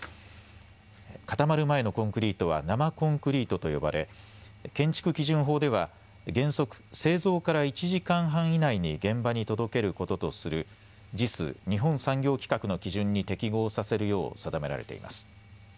固まる前のコンクリートは生コンクリートと呼ばれ建築基準法では原則、製造から１時間半以内に現場に届けることとするＪＩＳ・日本産業規格の基準に適合させるよう定められています。